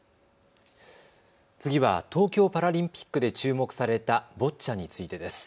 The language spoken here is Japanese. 次は東京パラリンピックで注目されたボッチャについてです。